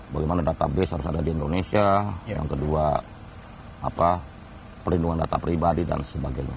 bagaimana database harus ada di indonesia yang kedua perlindungan data pribadi dan sebagainya